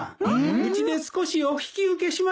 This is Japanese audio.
うちで少しお引き受けしましょう！